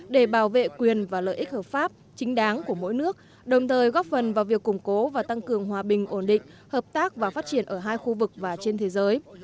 để bảo vệ quyền và lợi ích hợp pháp chính đáng của mỗi nước đồng thời góp phần vào việc củng cố và tăng cường hòa bình ổn định hợp tác và phát triển ở hai khu vực và trên thế giới